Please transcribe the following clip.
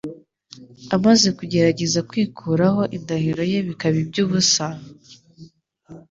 Amaze kugerageza kwikuraho indahiro ye bikaba iby'ubusa,